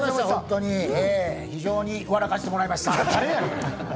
非常に笑かしてもらいました。